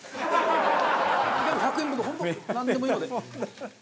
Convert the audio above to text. １００円分の本当なんでもいいので。